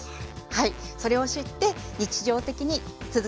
はい。